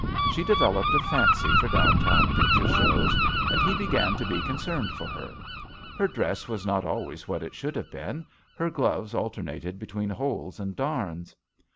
She developed a fancy for downtown picture shows, and he began to be concerned for her. Her dress was not always what it should have been, her gloves alternated between holes and darns.